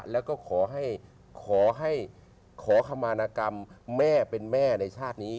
แล้วก็ขอให้ขอขมานากรรมแม่เป็นแม่ในชาตินี้